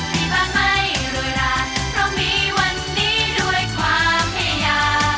ที่บ้านไม่รวยลาเพราะมีวันนี้ด้วยความพยายาม